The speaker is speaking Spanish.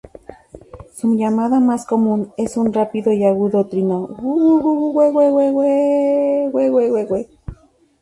Su llamada más común es un rápido y agudo trino "wu-wu-wu-we-we-we-we-ee-ee-ee-ee-we-we-we-we".